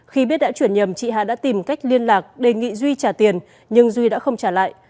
khi biết đã chuyển nhầm chị hà đã tìm cách liên lạc đề nghị duy trả tiền nhưng duy đã không trả lại